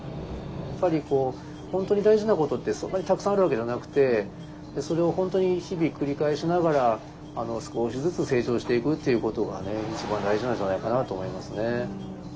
やっぱり本当に大事なことってそんなにたくさんあるわけじゃなくてそれを本当に日々繰り返しながら少しずつ成長していくっていうことが一番大事なんじゃないかなと思いますね。